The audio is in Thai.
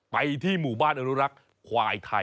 ไปที่หมู่บ้านอนุรักษ์ควายไทย